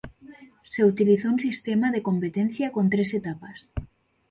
Se utilizó un sistema de competencia con tres etapas.